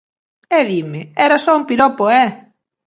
E dime 'Era só un piropo, eh'.